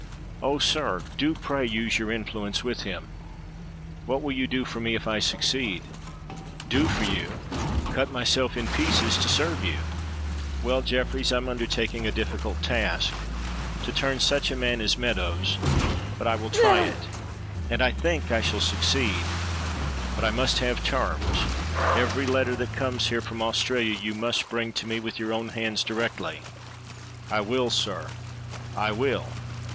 "Oh, sir! do pray use your influence with him." "What will you do for me if I succeed?" "Do for you? cut myself in pieces to serve you." "Well, Jefferies, I'm undertaking a difficult task to turn such a man as Meadows, but I will try it and I think I shall succeed; but I must have terms. Every letter that comes here from Australia you must bring to me with your own hands directly." "I will, sir, I will."